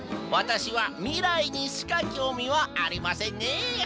わたしはみらいにしかきょうみはありませんねえ。